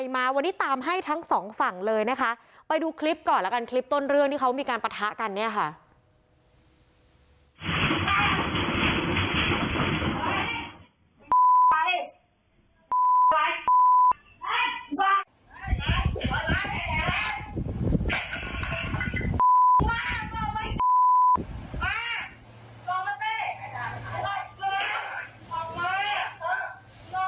มานอกมาเต้นอกมานอกมานอกมา